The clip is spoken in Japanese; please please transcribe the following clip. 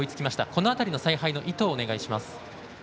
この辺りの采配の意図をお願いします。